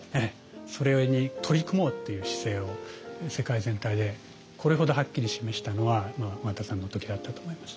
それに取り組もうっていう姿勢を世界全体でこれほどはっきり示したのは緒方さんの時だったと思います。